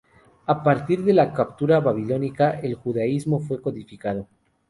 A partir de la captura babilónica, el judaísmo fue codificado.